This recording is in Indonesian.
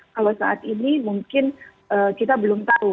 kalau saat ini mungkin kita belum tahu